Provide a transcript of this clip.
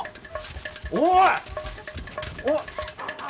おい！